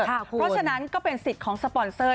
เพราะฉะนั้นก็เป็นสิทธิ์ของสปอนเซอร์